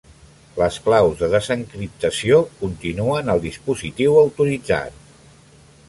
Les claus de desencriptació continuen al dispositiu autoritzat.